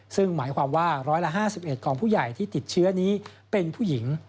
ซึ่งหมายความว่า๑๕๑ของผู้ใหญ่ที่ติดเชื้อนี้เป็นผู้หญิง